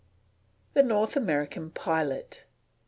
THE NORTH AMERICAN PILOT.